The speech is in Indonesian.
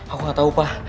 aku gak tahu pa